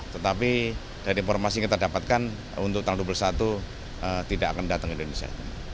tetapi dari informasi yang kita dapatkan untuk tanggal dua puluh satu tidak akan datang ke indonesia